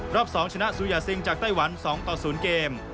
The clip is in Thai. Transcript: รอบ๒ชนะซูยาซิงจากไต้หวัน๒ต่อ๐เกม